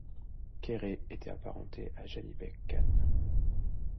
Kerey était apparenté à Janibek Khan.